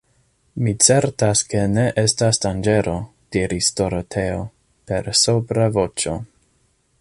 Mi certas ke ne estas danĝero, diris Doroteo, per sobra voĉo.